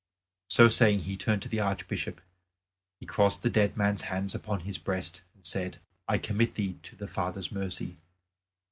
So saying he turned to the Archbishop; he crossed the dead man's hands upon his breast and said, "I commit thee to the Father's mercy.